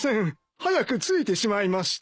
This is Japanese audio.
早く着いてしまいまして。